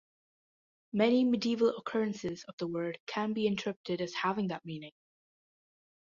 Many medieval occurrences of the word can be interpreted as having that meaning.